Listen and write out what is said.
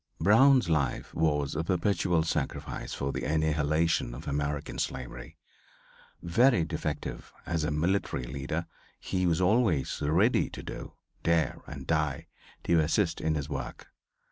Brown's life was a perpetual sacrifice for the annihilation of American slavery. Very defective as a military leader he was always ready to do, dare and die to assist in this work.